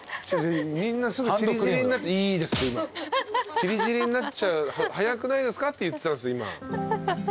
散り散りになっちゃう早くないですかって言ってたんです。